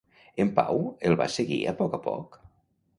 En Pau el va seguir a poc a poc?